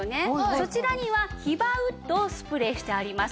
そちらにはヒバウッドをスプレーしてあります。